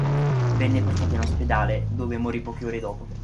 Venne portata in ospedale, dove morì poche ore dopo.